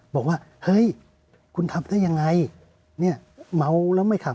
บอกว่าเฮ้ยคุณทำได้ยังไงเนี่ยเมาแล้วไม่ขับ